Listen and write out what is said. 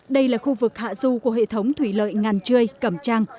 đây là khu vực hạ du của hệ thống thủy lợi ngàn trươi cẩm trang